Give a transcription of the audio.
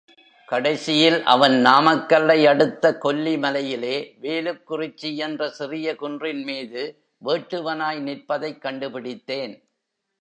கடைசியில் அவன் நாமக்கல்லை அடுத்த கொல்லிமலையிலே வேலுக்குறிச்சி என்ற சிறிய குன்றின் மீது வேட்டுவனாய் நிற்பதைக் கண்டுபிடித்தேன்.